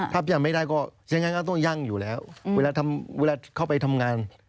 ถ้ายังไม่ได้ก็ยังไงก็ต้องยั่งอยู่แล้วเวลาเข้าไปทำงาน